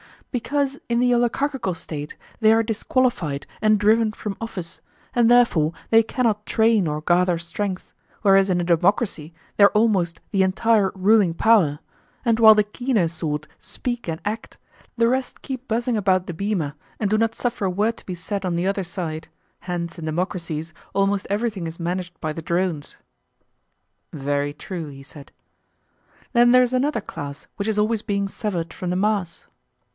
Because in the oligarchical State they are disqualified and driven from office, and therefore they cannot train or gather strength; whereas in a democracy they are almost the entire ruling power, and while the keener sort speak and act, the rest keep buzzing about the bema and do not suffer a word to be said on the other side; hence in democracies almost everything is managed by the drones. Very true, he said. Then there is another class which is always being severed from the mass.